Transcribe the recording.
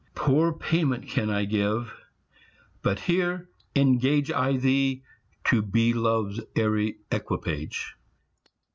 Poor payment can I give, but here engage I thee to be Love's airy equipage.